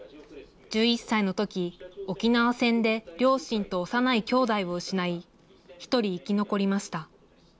１１歳のとき、沖縄戦で両親と幼いきょうだいを失い、一人生き残りました。